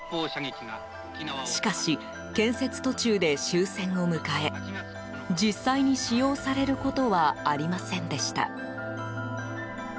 しかし、建設途中で終戦を迎え実際に使用されることはありませんでした。